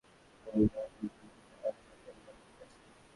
আবার তিনি আইএসকে পৃথিবী থেকে কীভাবে দূর করবেন, সাংবাদিকেরা তা-ও জানতে চেয়েছেন।